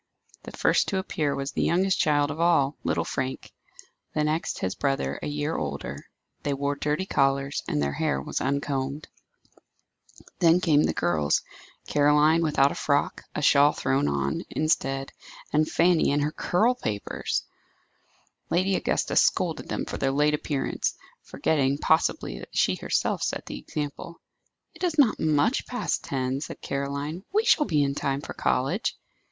The first to appear was the youngest child of all, little Frank; the next his brother, a year older; they wore dirty collars, and their hair was uncombed. Then came the girls Caroline without a frock, a shawl thrown on, instead, and Fanny in curl papers. Lady Augusta scolded them for their late appearance, forgetting, possibly, that she herself set the example. "It is not much past ten," said Caroline. "We shall be in time for college."